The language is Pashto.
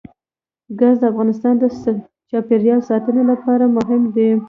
ګاز د افغانستان د چاپیریال ساتنې لپاره مهم دي.